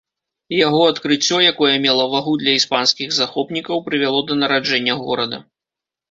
Яго адкрыццё, якое мела вагу для іспанскіх захопнікаў, прывяло да нараджэння горада.